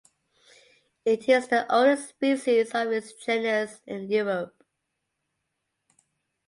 It is the only species of its genus in Europe.